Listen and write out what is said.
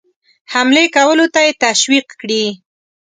حملې کولو ته یې تشویق کړي.